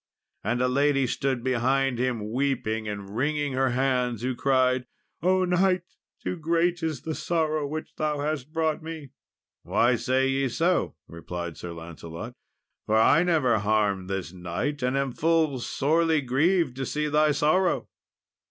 And a lady stood behind him, weeping and wringing her hands, who cried, "O knight! too great is the sorrow which thou hast brought me!" "Why say ye so?" replied Sir Lancelot; "for I never harmed this knight, and am full sorely grieved to see thy sorrow."